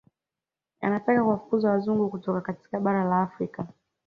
Anataka kuwafukuza Wazungu kutoka katika bara la Afrika